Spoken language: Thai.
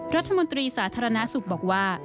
รัฐมนตรีสาธารณสุขบอกว่า